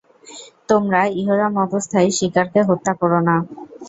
তোমরা ইহরাম অবস্থায় শিকারকে হত্যা করো না।